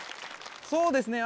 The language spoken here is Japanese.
そうですね